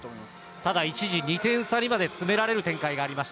◆ただ、一時２点差にまで詰められる展開がありました